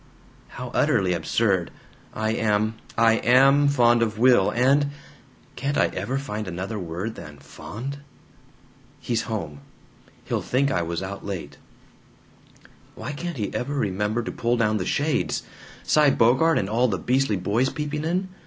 How utterly absurd! "I am, I AM fond of Will, and Can't I ever find another word than 'fond'? "He's home. He'll think I was out late. "Why can't he ever remember to pull down the shades? Cy Bogart and all the beastly boys peeping in.